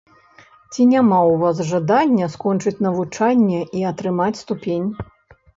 Ці няма ў вас жадання скончыць навучанне і атрымаць ступень?